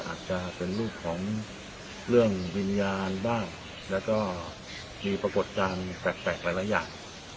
อาจจะเป็นรูปของเรื่องวิญญาณบ้างแล้วก็มีปรากฏการณ์แปลกหลายอย่าง